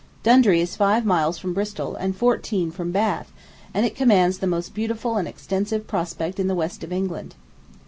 Dundry is five miles from Bristol, and fourteen from Bath, and it commands the most beautiful and extensive prospect in the west of England.